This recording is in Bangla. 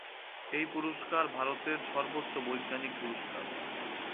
এই পুরস্কার ভারতের সর্বোচ্চ বৈজ্ঞানিক পুরস্কার।